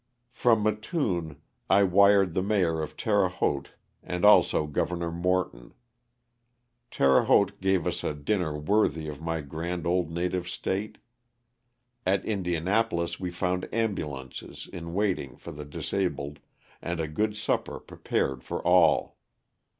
124 LOSS OF THE SULTAKA. From Mattoon I wired the mayor of Terre Haute, and also Governor Morton. Terre Haute gave us a dinner worthy of my grand old native State. At Indianapolis we found ambulances in waiting for the disabled, and a good supper prepared for all.